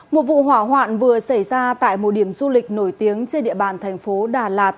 một vụ hỏa hoạn vừa xảy ra tại một điểm du lịch nổi tiếng trên địa bàn thành phố đà lạt